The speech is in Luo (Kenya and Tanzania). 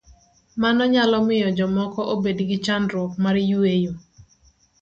Mano nyalo miyo jomoko obed gi chandruok mar yueyo.